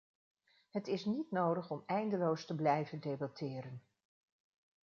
Het is niet nodig om eindeloos te blijven debatteren.